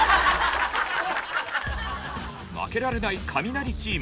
負けられないカミナリチーム。